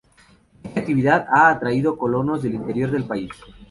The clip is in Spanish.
Dicha actividad ha atraído colonos del interior del país.